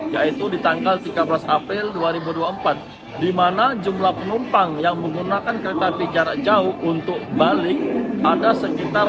yaitu di tanggal tiga belas april dua ribu dua puluh empat di mana jumlah penumpang yang menggunakan kereta api jarak jauh untuk bali ada sekitar